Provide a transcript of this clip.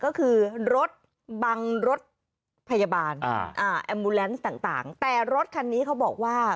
ก็คือรถบังรถพยาบาลอ่าอ่าแอมมูแลนซ์ต่างต่างแต่รถคันนี้เขาบอกว่า